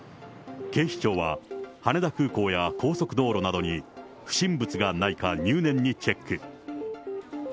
警視庁は、羽田空港や高速道路などに、不審物がないか入念にチェック。